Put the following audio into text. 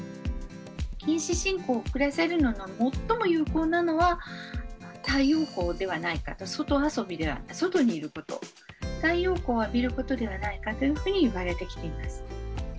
近視進行を遅らせるのに最も有効なのは太陽光ではないかと外遊び外にいること太陽光を浴びることではないかというふうにいわれてきています。